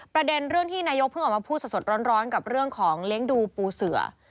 ประเด็นเรื่องที่นายกเพิ่งออกมาพูดสดร้อนกับเรื่องของเลี้ยงดูปูเสือ